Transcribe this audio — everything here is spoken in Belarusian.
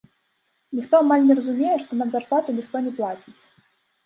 Ніхто амаль не разумее, што нам зарплату ніхто не плаціць.